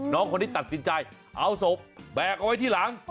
น้องคนนี้ตัดสินใจเอาศพแบกเอาไว้ที่หลัง